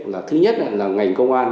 là thứ nhất là ngành công an